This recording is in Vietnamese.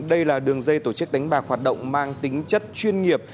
đây là đường dây tổ chức đánh bạc hoạt động mang tính chất chuyên nghiệp